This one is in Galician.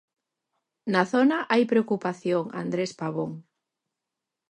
Na zona hai preocupación Andrés Pavón.